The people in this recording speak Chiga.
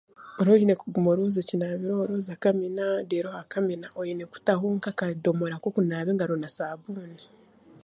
Ora oine kuguma orooza ekinaabiro orooza kamina reero aha kamina ora oine kuteekaho akadoomora k'okunaaba engaro na saabuuni